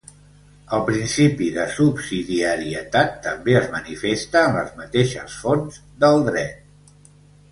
El principi de subsidiarietat també es manifesta en les mateixes fonts del Dret.